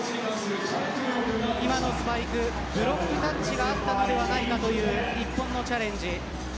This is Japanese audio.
今のスパイクブロックタッチがあったのではないかという日本のチャレンジ。